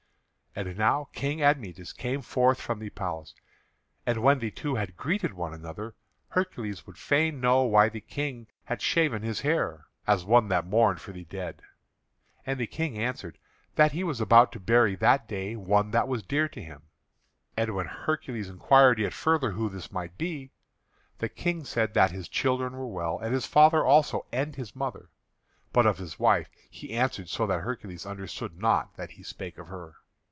And now King Admetus came forth from the palace. And when the two had greeted one another, Hercules would fain know why the King had shaven his hair as one that mourned for the dead. And the King answered that he was about to bury that day one that was dear to him. And when Hercules inquired yet further who this might be, the King said that his children were well, and his father also, and his mother. But of his wife he answered so that Hercules understood not that he spake of her.